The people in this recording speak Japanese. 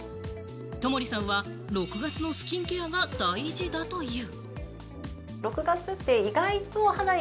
友利さんは６月のスキンケアが大事だという。